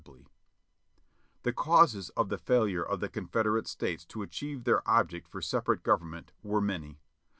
712 JOHNNY REB AND BILL Y YANK The causes of the failure of the Confederate States to achieve their object for separate government were many.